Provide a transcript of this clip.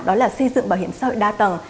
đó là xây dựng bảo hiểm xã hội đa tầng